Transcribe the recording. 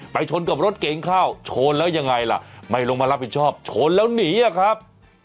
ชนกับรถเก๋งเข้าชนแล้วยังไงล่ะไม่ลงมารับผิดชอบชนแล้วหนีอะครับ